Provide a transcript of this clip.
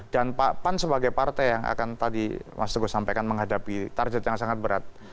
dan pan sebagai partai yang akan tadi mas teguh sampaikan menghadapi target yang sangat berat